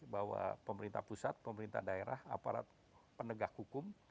bahwa pemerintah pusat pemerintah daerah aparat penegak hukum